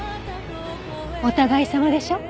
お互いさまでしょ？